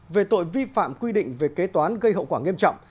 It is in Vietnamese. về tội vi phạm quy định về kế toán gây hậu quả nghiêm trọng